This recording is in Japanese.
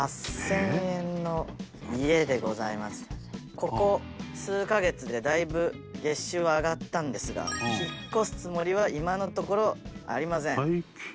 ここ数カ月でだいぶ月収は上がったんですが引っ越すつもりは今のところありません。